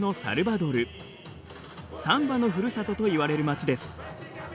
サンバのふるさとといわれる町です。